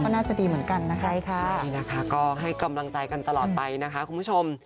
ก็น่าจะดีเหมือนกันนะครับ